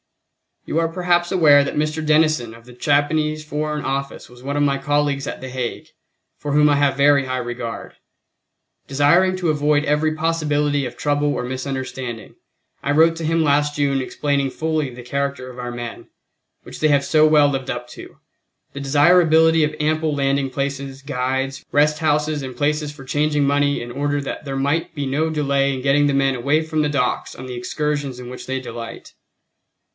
You are perhaps aware that Mr. Denison of the Japanese Foreign Office was one of my colleagues at The Hague, for whom I have a very high regard. Desiring to avoid every possibility of trouble or misunderstanding, I wrote to him last June explaining fully the character of our men, which they have so well lived up to, the desirability of ample landing places, guides, rest houses and places for changing money in order that there might be no delay in getting the men away from the docks on the excursions in which they delight.